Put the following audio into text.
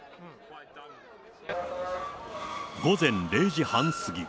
午前０時半過ぎ。